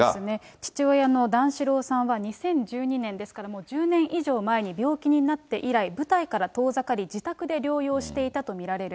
父親の段四郎さんは、２０１２年、ですからもう１０年以上前に病気になって以来、舞台から遠ざかり、自宅で療養していたと見られる。